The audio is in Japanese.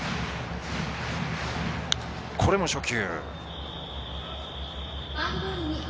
これも初球。